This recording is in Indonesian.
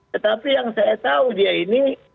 tetapi yang saya tahu dia ini